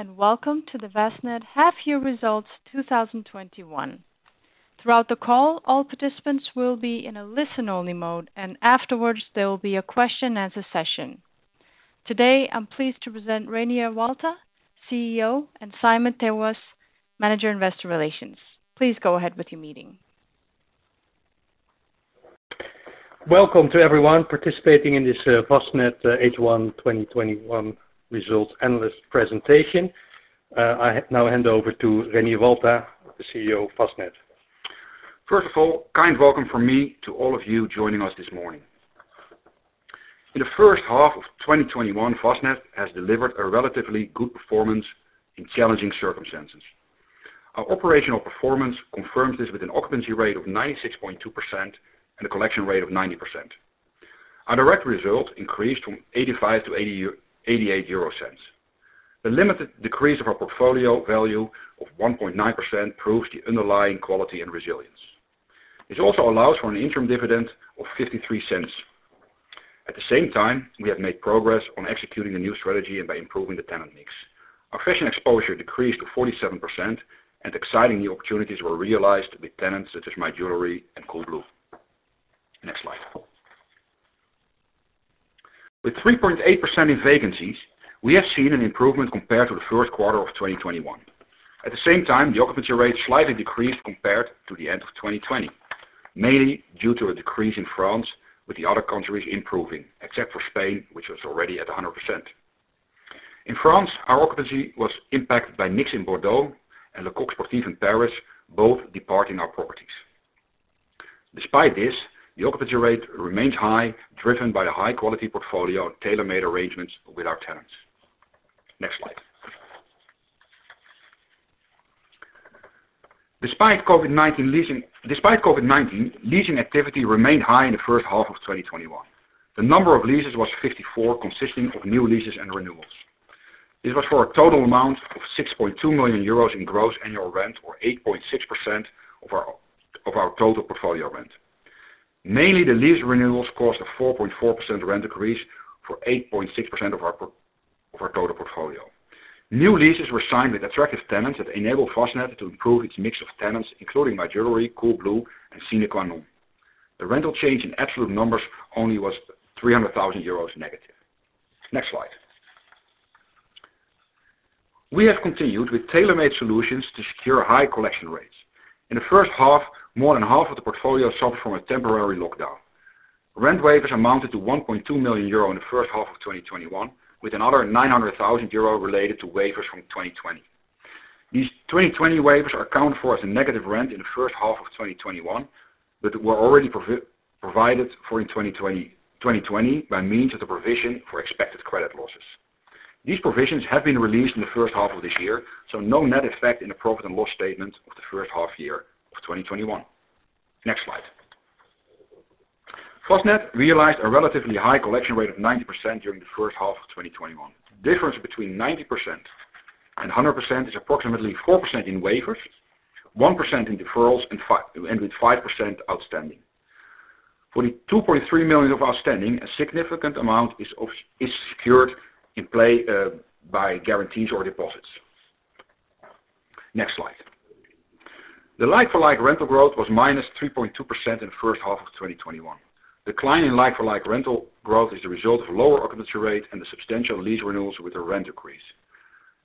Hello, welcome to the Vastned half year results 2021. Throughout the call, all participants will be in a listen-only mode, afterwards, there will be a question and answer session. Today, I'm pleased to present Reinier Walta, CEO, and Simon ter Velde, Manager Treasury & Investor Relations. Please go ahead with your meeting. Welcome to everyone participating in this, Vastned H1 2021 results analyst presentation. I now hand over to Reinier Walta, the CEO of Vastned. First of all, kind welcome from me to all of you joining us this morning. In the first half of 2021, Vastned has delivered a relatively good performance in challenging circumstances. Our operational performance confirms this with an occupancy rate of 96.2% and a collection rate of 90%. Our direct result increased from 0.85 to 0.88. The limited decrease of our portfolio value of 1.9% proves the underlying quality and resilience. This also allows for an interim dividend of 0.53. At the same time, we have made progress on executing the new strategy and by improving the tenant mix. Our fashion exposure decreased to 47%, and exciting new opportunities were realized with tenants such as My Jewellery and Coolblue. Next slide. With 3.8% in vacancies, we have seen an improvement compared to the first quarter of 2021. At the same time, the occupancy rate slightly decreased compared to the end of 2020, mainly due to a decrease in France, with the other countries improving, except for Spain, which was already at 100%. In France, our occupancy was impacted by Mix in Bordeaux and Lacoste Sportive in Paris, both departing our properties. Despite this, the occupancy rate remains high, driven by a high-quality portfolio, tailor-made arrangements with our tenants. Next slide. Despite COVID-19, leasing activity remained high in the first half of 2021. The number of leases was 54, consisting of new leases and renewals. This was for a total amount of 6.2 million euros in gross annual rent, or 8.6% of our total portfolio rent. Mainly, the lease renewals cost a 4.4% rent increase for 8.6% of our total portfolio. New leases were signed with attractive tenants that enabled Vastned to improve its mix of tenants, including My Jewellery, Coolblue, and Sézane. The rental change in absolute numbers only was 300,000 euros negative. Next slide. We have continued with tailor-made solutions to secure high collection rates. In the first half, more than half of the portfolio suffered from a temporary lockdown. Rent waivers amounted to 1.2 million euro in the first half of 2021, with another 900,000 euro related to waivers from 2020. These 2020 waivers are accounted for as a negative rent in the first half of 2021, were already provided for in 2020 by means of the provision for Expected Credit Losses. These provisions have been released in the first half of this year. No net effect in the profit and loss statement of the first half year of 2021. Next slide. Vastned realized a relatively high collection rate of 90% during the first half of 2021. The difference between 90% and 100% is approximately 4% in waivers, 1% in deferrals, and 5% outstanding. For the 2.3 million of outstanding, a significant amount is secured in play by guarantees or deposits. Next slide. The like-for-like rental growth was -3.2% in the first half of 2021. Decline in like-for-like rental growth is a result of lower occupancy rate and the substantial lease renewals with a rent increase.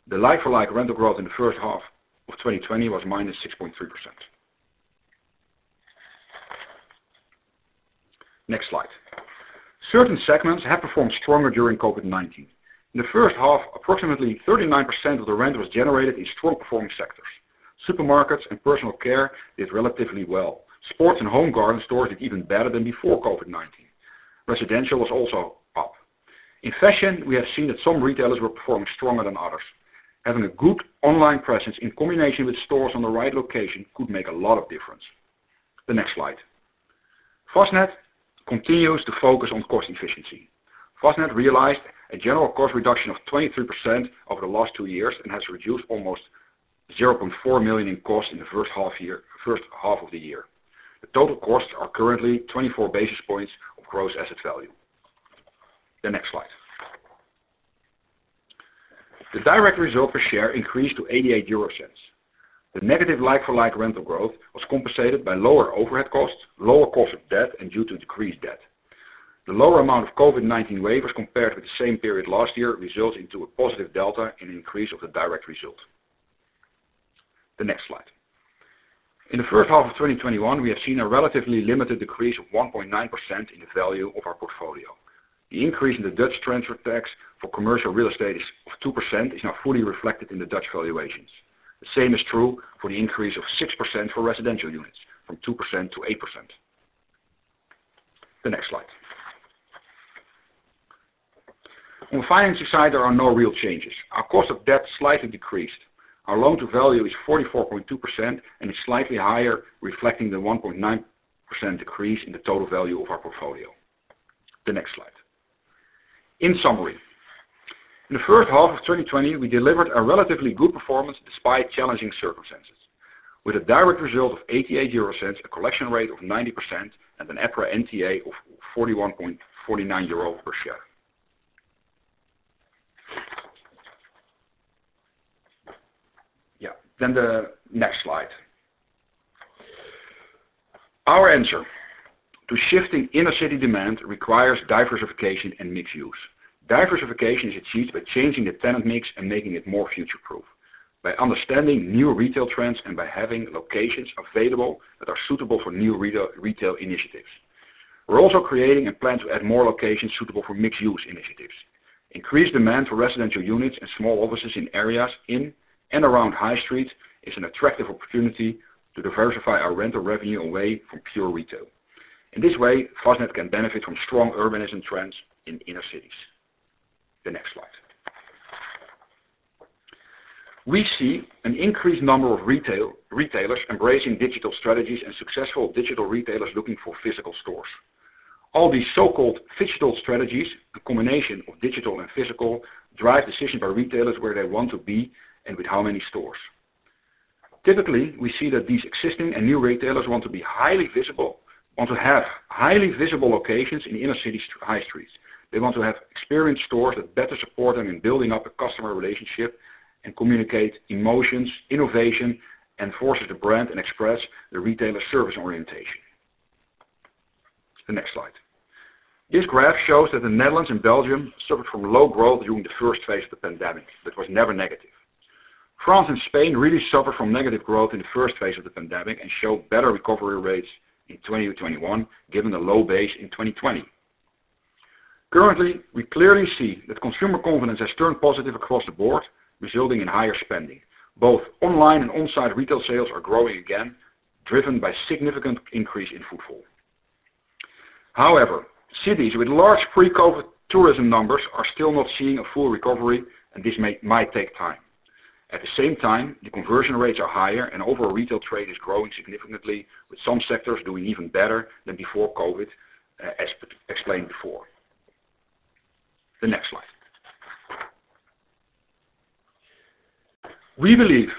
The like-for-like rental growth in the first half of 2020 was -6.3%. Next slide. Certain segments have performed stronger during COVID-19. In the first half, approximately 39% of the rent was generated in strong performing sectors. Supermarkets and personal care did relatively well. Sports and home garden stores did even better than before COVID-19. Residential was also up. In fashion, we have seen that some retailers were performing stronger than others. Having a good online presence in combination with stores on the right location could make a lot of difference. The next slide. Vastned continues to focus on cost efficiency. Vastned realized a general cost reduction of 23% over the last two years and has reduced almost 0.4 million in costs in the first half of the year. The total costs are currently 24 basis points of gross asset value. The next slide. The direct result per share increased to 0.88 euro. The negative like-for-like rental growth was compensated by lower overhead costs, lower cost of debt, and due to decreased debt. The lower amount of COVID-19 waivers compared with the same period last year, results into a positive delta and increase of the direct result. The next slide. In the first half of 2021, we have seen a relatively limited decrease of 1.9% in the value of our portfolio. The increase in the Dutch transfer tax for commercial real estate is of 2%, is now fully reflected in the Dutch valuations. The same is true for the increase of 6% for residential units, from 2% to 8%. The next slide. On the financing side, there are no real changes. Our cost of debt slightly decreased. Our loan to value is 44.2% and is slightly higher, reflecting the 1.9% decrease in the total value of our portfolio. The next slide. In summary, in the first half of 2020, we delivered a relatively good performance despite challenging circumstances. with a direct result of 0.88, a collection rate of 90%, and an EPRA NTA of 41.49 euro per share. The next slide. Our answer to shifting inner city demand requires diversification and mixed use. Diversification is achieved by changing the tenant mix and making it more future-proof, by understanding new retail trends, and by having locations available that are suitable for new retail initiatives. We're also creating a plan to add more locations suitable for mixed-use initiatives. Increased demand for residential units and small offices in areas in and around high street is an attractive opportunity to diversify our rental revenue away from pure retail. In this way, Vastned can benefit from strong urbanism trends in inner cities. The next slide. We see an increased number of retailers embracing digital strategies and successful digital retailers looking for physical stores. All these so-called phygital strategies, a combination of digital and physical, drive decisions by retailers where they want to be and with how many stores. Typically, we see that these existing and new retailers want to be highly visible, want to have highly visible locations in inner city high streets. They want to have experienced stores that better support them in building up a customer relationship and communicate emotions, innovation, and forces the brand, and express the retailer's service orientation. The next slide. This graph shows that the Netherlands and Belgium suffered from low growth during the first phase of the pandemic, but was never negative. France and Spain really suffered from negative growth in the first phase of the pandemic and showed better recovery rates in 2020-2021, given the low base in 2020. Currently, we clearly see that consumer confidence has turned positive across the board, resulting in higher spending. Both online and on-site retail sales are growing again, driven by significant increase in footfall. Cities with large pre-COVID tourism numbers are still not seeing a full recovery, and this may, might take time. At the same time, the conversion rates are higher, and overall retail trade is growing significantly, with some sectors doing even better than before COVID, as explained before. The next slide. We believe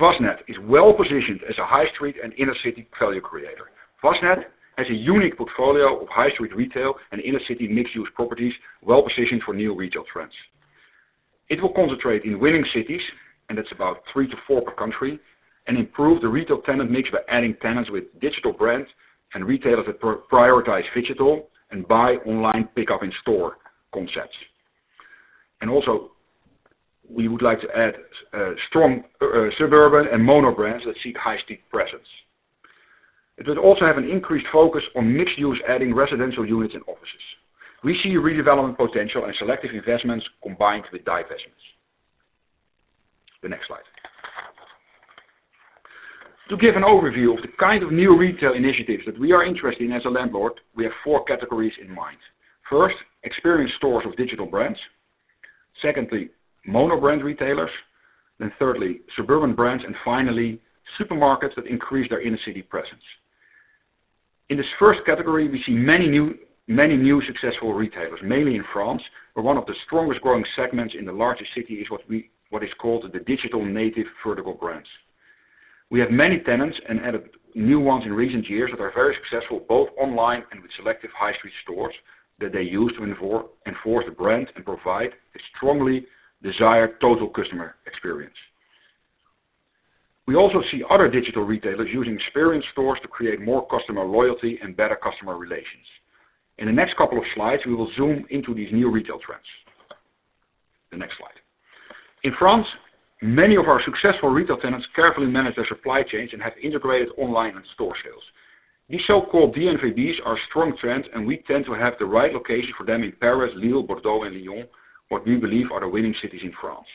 Vastned is well positioned as a high street and inner-city value creator. Vastned has a unique portfolio of high street retail and inner-city mixed-use properties, well positioned for new retail trends. It will concentrate in winning cities, and that's about three to four per country, and improve the retail tenant mix by adding tenants with digital brands and retailers that prioritize phygital and Buy Online, Pickup In-Store concepts. Also, we would like to add strong suburban and mono brands that seek high street presence. It will also have an increased focus on mixed use, adding residential units and offices. We see redevelopment potential and selective investments combined with divests. The next slide. To give an overview of the kind of new retail initiatives that we are interested in as a landlord, we have four categories in mind. First, experience stores with digital brands. Secondly, mono brand retailers, then thirdly, suburban brands, and finally, supermarkets that increase their inner-city presence. In this first category, we see many new successful retailers, mainly in France, where one of the strongest growing segments in the largest city is what is called the digital native vertical brands. We have many tenants and added new ones in recent years that are very successful, both online and with selective high street stores, that they use to enforce the brand and provide a strongly desired total customer experience. We also see other digital retailers using experience stores to create more customer loyalty and better customer relations. In the next couple of slides, we will zoom into these new retail trends. The next slide. In France, many of our successful retail tenants carefully manage their supply chains and have integrated online and store sales. These so-called DNVBs are strong trends. We tend to have the right location for them in Paris, Lille, Bordeaux, and Lyon, what we believe are the winning cities in France.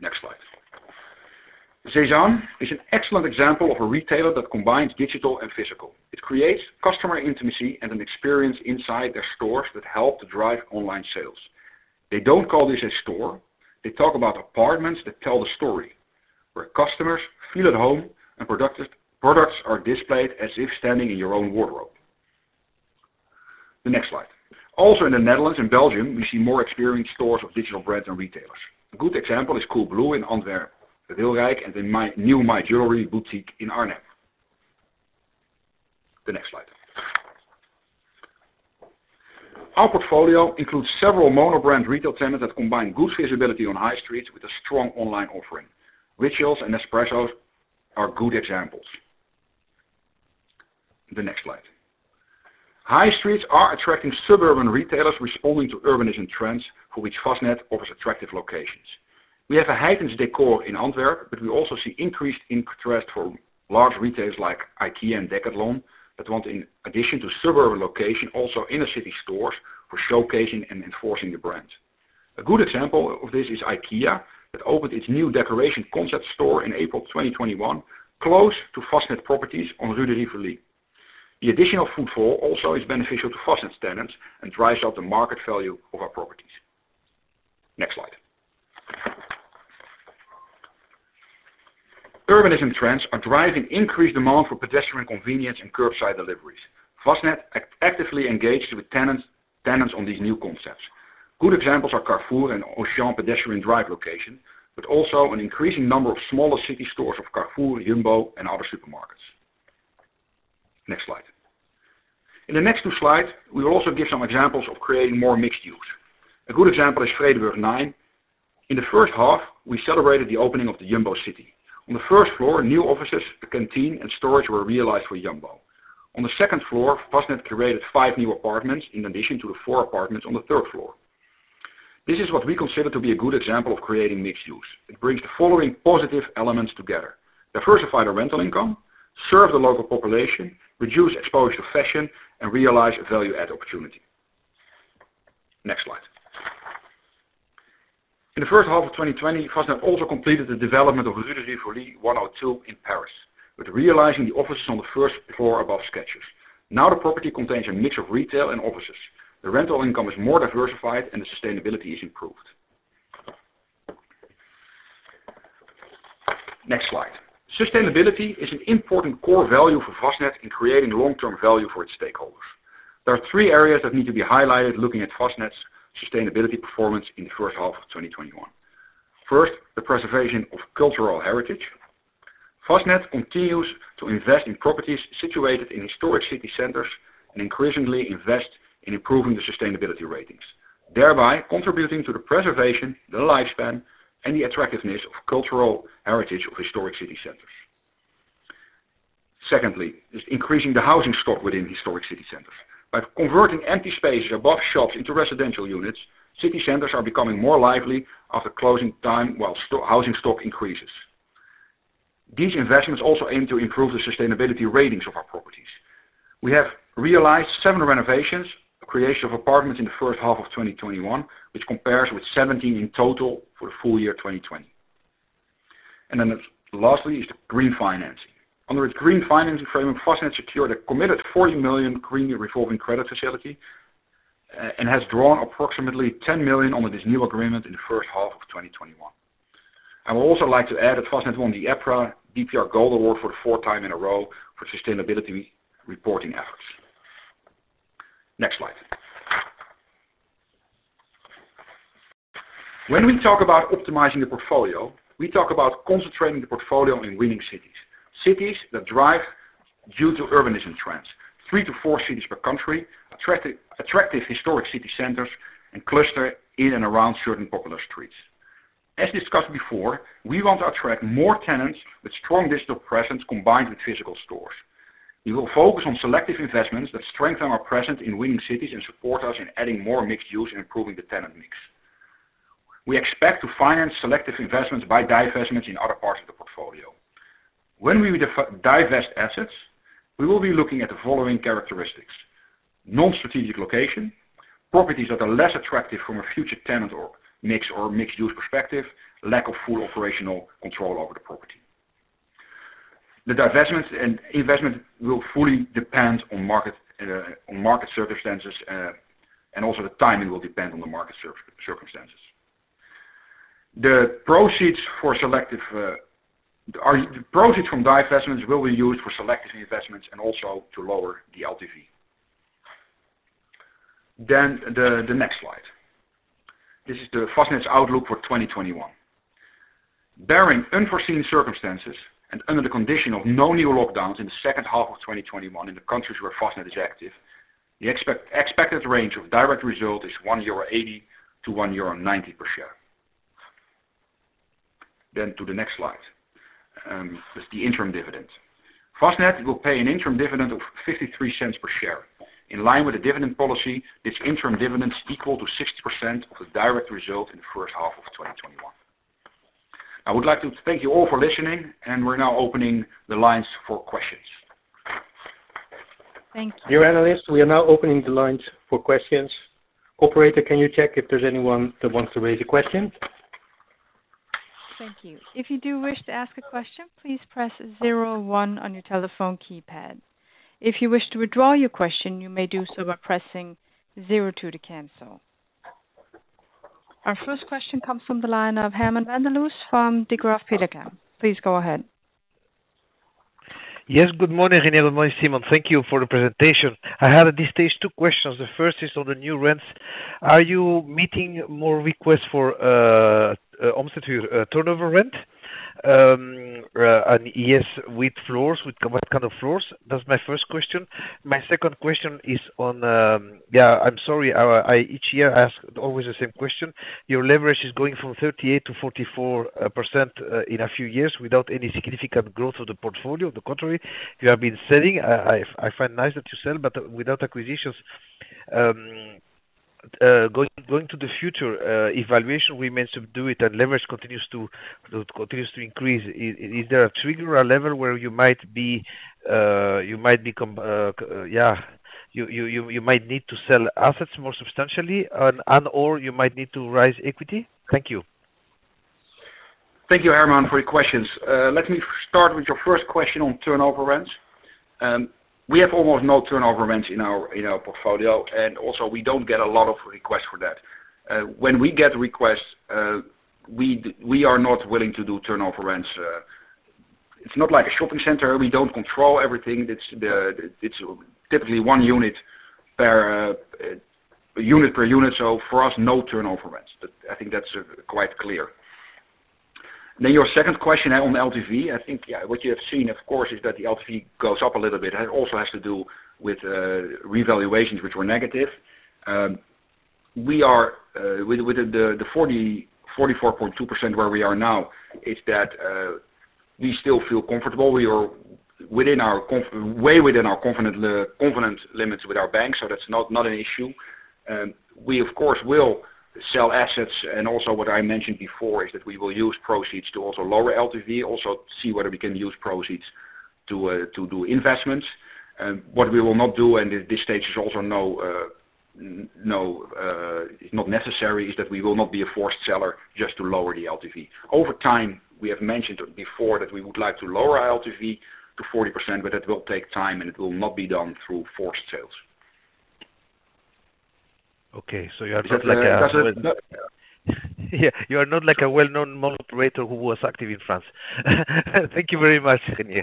Next slide. Sézane is an excellent example of a retailer that combines digital and physical. It creates customer intimacy and an experience inside their stores that help to drive online sales. They don't call this a store. They talk about apartments that tell the story, where customers feel at home and products are displayed as if standing in your own wardrobe. The next slide. In the Netherlands and Belgium, we see more experienced stores of digital brands and retailers. A good example is Coolblue in Antwerp, De Keyserlei, and the new My Jewellery boutique in Arnhem. The next slide. Our portfolio includes several mono brand retail tenants that combine good visibility on high streets with a strong online offering. Rituals and Nespresso are good examples. The next slide. High streets are attracting suburban retailers responding to urbanism trends for which Vastned offers attractive locations. We have a Heytens decor in Antwerp, but we also see increased interest for large retailers like IKEA and Decathlon, that want, in addition to suburban location, also inner city stores for showcasing and enforcing the brand. A good example of this is IKEA, that opened its new decoration concept store in April 2021, close to Vastned properties on Rue de Rivoli. The additional footfall also is beneficial to Vastned's tenants and drives up the market value of our properties. Next slide. Urbanism trends are driving increased demand for pedestrian convenience and curbside deliveries. Vastned actively engaged with tenants on these new concepts. Good examples are Carrefour and Auchan Pedestrian Drive location, but also an increasing number of smaller city stores of Carrefour, Jumbo, and other supermarkets. Next slide. In the next two slides, we will also give some examples of creating more mixed use. A good example is Vredenburg 9. In the first half, we celebrated the opening of the Jumbo City. On the first floor, new offices, a canteen, and storage were realized for Jumbo. On the second floor, Vastned created five new apartments in addition to the four apartments on the third floor. This is what we consider to be a good example of creating mixed use. It brings the following positive elements together: diversify the rental income, serve the local population, reduce exposure to fashion, and realize a value-add opportunity. Next slide. In the first half of 2020, Vastned also completed the development of Rue de Rivoli 102 in Paris, with realizing the offices on the first floor above Skechers. Now, the property contains a mix of retail and offices. The rental income is more diversified, and the sustainability is improved. Next slide. Sustainability is an important core value for Vastned in creating long-term value for its stakeholders. There are three areas that need to be highlighted looking at Vastned's sustainability performance in the first half of 2021. First, the preservation of cultural heritage. Vastned continues to invest in properties situated in historic city centers, and increasingly invest in improving the sustainability ratings, thereby contributing to the preservation, the lifespan, and the attractiveness of cultural heritage of historic city centers. Secondly, is increasing the housing stock within historic city centers. By converting empty spaces above shops into residential units, city centers are becoming more lively after closing time, while housing stock increases. These investments also aim to improve the sustainability ratings of our properties. We have realized seven renovations, a creation of apartments in the first half of 2021, which compares with 17 in total for the full year 2020. Lastly, is the green financing. Under its Green Finance Framework, Vastned secured a committed 40 million Green Revolving Credit Facility and has drawn approximately 10 million under this new agreement in the first half of 2021. I would also like to add that Vastned won the EPRA BPR Gold Award for the fourth time in a row for sustainability reporting efforts. Next slide. When we talk about optimizing the portfolio, we talk about concentrating the portfolio in winning cities. Cities that drive due to urbanism trends. Three to four cities per country, attractive historic city centers, and cluster in and around certain popular streets. As discussed before, we want to attract more tenants with strong digital presence, combined with physical stores. We will focus on selective investments that strengthen our presence in winning cities and support us in adding more mixed use and improving the tenant mix. We expect to finance selective investments by divestments in other parts of the portfolio. When we divest assets, we will be looking at the following characteristics: non-strategic location, properties that are less attractive from a future tenant or mix, or mixed use perspective, lack of full operational control over the property. The divestments and investment will fully depend on market, on market circumstances, and also the timing will depend on the market circumstances. The proceeds for selective proceeds from divestments will be used for selective investments and also to lower the LTV. The next slide. This is the Vastned's outlook for 2021. Barring unforeseen circumstances and under the condition of no new lockdowns in the second half of 2021 in the countries where Vastned is active, the expected range of direct result is 1.80-1.90 euro per share. To the next slide, is the interim dividend. Vastned will pay an interim dividend of 0.53 per share. In line with the dividend policy, this interim dividend is equal to 60% of the direct result in the first half of 2021. I would like to thank you all for listening, and we're now opening the lines for questions. Thank you. Dear analysts, we are now opening the lines for questions. Operator, can you check if there's anyone that wants to raise a question? Thank you. If you do wish to ask a question, please press zero one on your telephone keypad. If you wish to withdraw your question, you may do so by pressing zero two to cancel. Our first question comes from the line of Herman van der Loos from Degroof Petercam. Please go ahead. Yes, good morning, Reinier, good morning, Simon. Thank you for the presentation. I have, at this stage, two questions. The first is on the new rents. Are you meeting more requests for substitute turnover rent? Yes, with floors, with what kind of floors? That's my first question. My second question is on. I'm sorry, I each year ask always the same question. Your leverage is going from 38% to 44% in a few years without any significant growth of the portfolio. On the contrary, you have been selling. I find nice that you sell, but without acquisitions. Going to the future evaluation, we meant to do it, and leverage continues to increase. Is there a trigger or a level where you might be, you might become, yeah, you might need to sell assets more substantially and or you might need to raise equity? Thank you. Thank you, Herman, for your questions. Let me start with your first question on turnover rents. We have almost no turnover rents in our portfolio, and also we don't get a lot of requests for that. When we get requests, we are not willing to do turnover rents. It's not like a shopping center. We don't control everything. It's typically one unit per unit, for us, no turnover rents. I think that's quite clear. Your second question on LTV, I think, yeah, what you have seen, of course, is that the LTV goes up a little bit. It also has to do with revaluations, which were negative. We are with the 44.2% where we are now, is that we still feel comfortable. We are within our confidence limits with our banks, that's not an issue. We, of course, will sell assets, also what I mentioned before is that we will use proceeds to also lower LTV, also see whether we can use proceeds to do investments. What we will not do, at this stage is also no, not necessary, is that we will not be a forced seller just to lower the LTV. Over time, we have mentioned before that we would like to lower our LTV to 40%, that will take time, it will not be done through forced sales. Okay, you are not like a well-known operator who was active in France. Thank you very much, Reinier.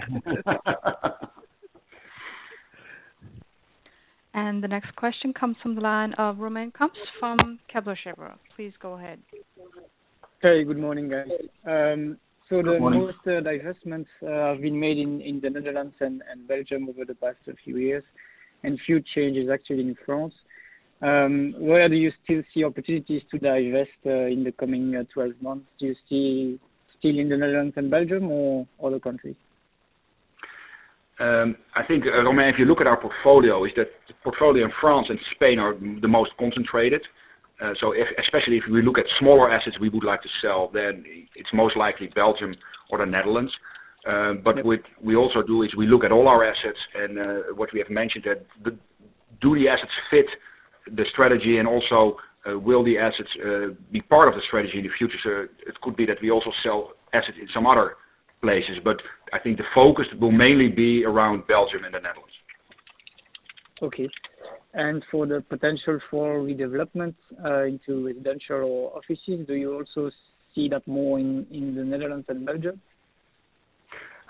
The next question comes from the line of Romain Kamps from Kepler Cheuvreux. Please go ahead. Hey, good morning, guys. Good morning. Most divestments have been made in the Netherlands and Belgium over the past few years, and few changes actually in France. Where do you still see opportunities to divest in the coming 12 months? Do you see still in the Netherlands and Belgium or other countries? I think, Romain, if you look at our portfolio, is that the portfolio in France and Spain are the most concentrated. If, especially if we look at smaller assets we would like to sell, then it's most likely Belgium or the Netherlands. What we also do is we look at all our assets and what we have mentioned, that do the assets fit the strategy, and also, will the assets be part of the strategy in the future? It could be that we also sell assets in some other places, but I think the focus will mainly be around Belgium and the Netherlands. Okay. For the potential for redevelopment, into residential or offices, do you also see that more in the Netherlands and Belgium?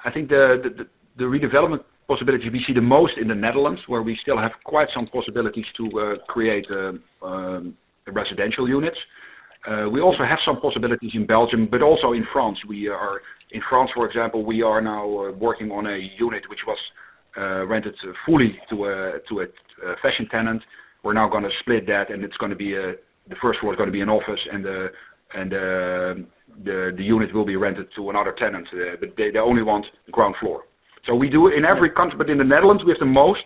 I think the redevelopment possibility we see the most in the Netherlands, where we still have quite some possibilities to create residential units. We also have some possibilities in Belgium, but also in France. In France, for example, we are now working on a unit which was rented fully to a fashion tenant. We're now gonna split that, and it's gonna be the first floor is gonna be an office, and the unit will be rented to another tenant, but they only want ground floor. We do it in every country, but in the Netherlands, we have the most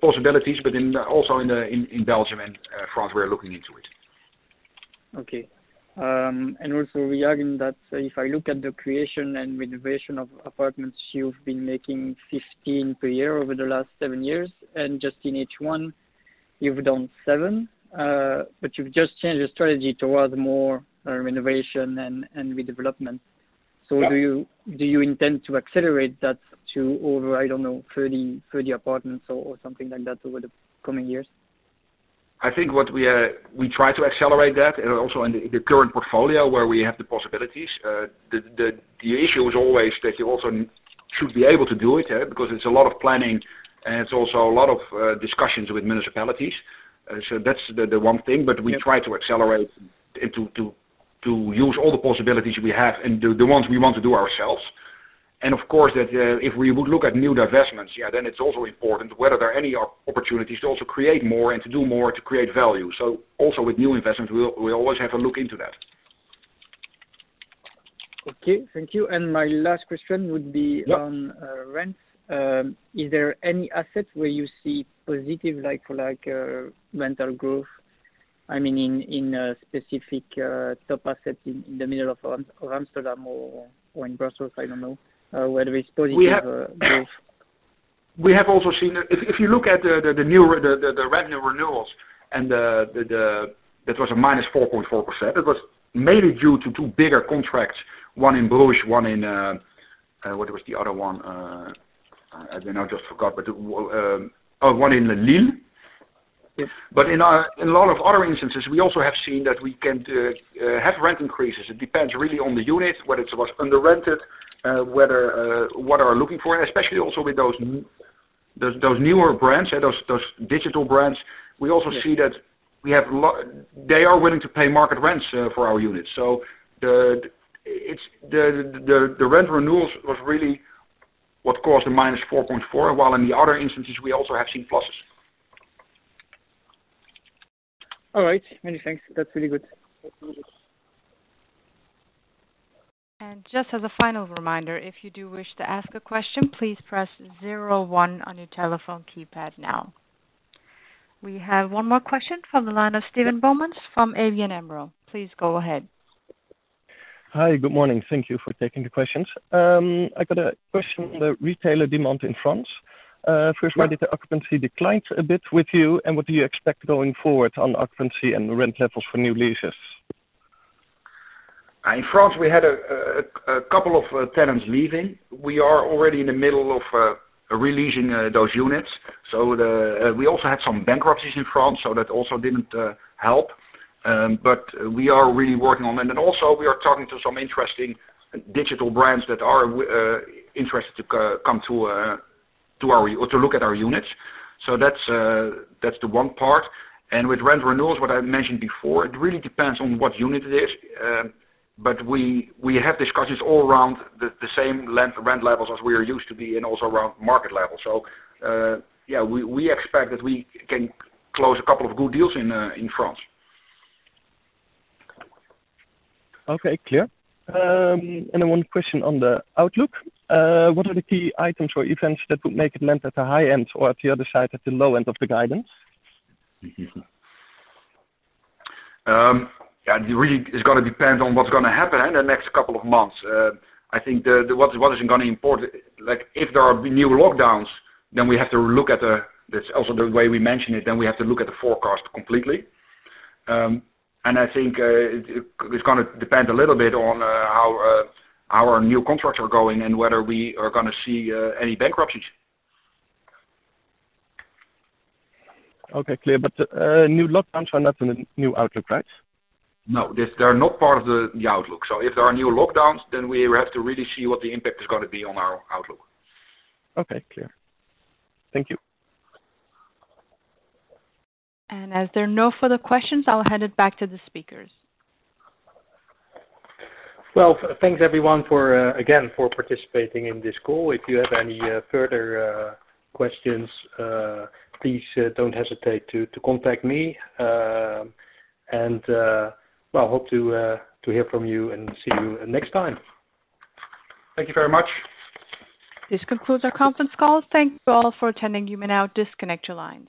possibilities, but also in Belgium and France, we are looking into it. Okay. Also regarding that, if I look at the creation and renovation of apartments, you've been making 15 per year over the last seven years, and just in H1, you've done seven, but you've just changed the strategy towards more renovation and redevelopment. Yeah. Do you intend to accelerate that to over, I don't know, 30 apartments or something like that over the coming years? I think we try to accelerate that and also in the current portfolio where we have the possibilities. The issue is always that you also should be able to do it because it's a lot of planning, and it's also a lot of discussions with municipalities. That's the one thing. Yeah. We try to accelerate it to use all the possibilities we have and do the ones we want to do ourselves. Of course, that, if we would look at new divestments, yeah, then it's also important whether there are any opportunities to also create more and to do more to create value. Also with new investments, we always have a look into that. Okay, thank you. My last question. Yeah. On rent, is there any assets where you see positive, like, rental growth? I mean, in specific, top assets in the middle of Amsterdam or in Brussels, I don't know whether it's positive growth. We have also seen. If you look at the new revenue renewals and that was a -4.4%, it was mainly due to two bigger contracts, one in Bruges, one in, what was the other one? And I just forgot, but one in Lille. In a lot of other instances, we also have seen that we can have rent increases. It depends really on the unit, whether it was under-rented, whether what are looking for, and especially also with those newer brands, those digital brands. Yeah. We also see that we have They are willing to pay market rents, for our units. The rent renewals was really what caused the -4.4%, while in the other instances, we also have seen pluses. All right, many thanks. That's really good. Just as a final reminder, if you do wish to ask a question, please press zero one on your telephone keypad now. We have one more question from the line of Steven Boumans from ABN AMRO. Please go ahead. Hi, good morning. Thank you for taking the questions. I got a question, the retailer demand in France. First, why did the occupancy declined a bit with you, and what do you expect going forward on occupancy and rent levels for new leases? In France, we had a couple of tenants leaving. We are already in the middle of re-leasing those units. We also had some bankruptcies in France, so that also didn't help. But we are really working on that. Also, we are talking to some interesting digital brands that are interested to come to our or to look at our units. That's the one part. With rent renewals, what I mentioned before, it really depends on what unit it is. But we have discussions all around the same length, rent levels as we are used to be and also around market level. Yeah, we expect that we can close a couple of good deals in France. Okay, clear. One question on the outlook. What are the key items or events that would make it land at the high end or at the other side, at the low end of the guidance? Yeah, it really is gonna depend on what's gonna happen in the next couple of months. I think the, what is gonna important, like, if there are new lockdowns, then we have to look at the. That's also the way we mention it, then we have to look at the forecast completely. I think, it's gonna depend a little bit on how our new contracts are going and whether we are gonna see any bankruptcies. Okay, clear. New lockdowns are not in the new outlook, right? No, they're not part of the outlook. If there are new lockdowns, then we have to really see what the impact is gonna be on our outlook. Okay, clear. Thank you. As there are no further questions, I'll hand it back to the speakers. Well, thanks, everyone, for again, for participating in this call. If you have any further questions, please don't hesitate to contact me. Well, hope to hear from you and see you next time. Thank you very much. This concludes our conference call. Thank you all for attending. You may now disconnect your lines.